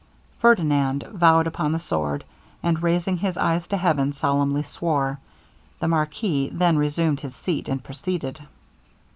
Ferdinand vowed upon the sword, and raising his eyes to heaven, solemnly swore. The marquis then resumed his seat, and proceeded.